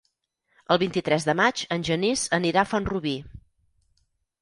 El vint-i-tres de maig en Genís anirà a Font-rubí.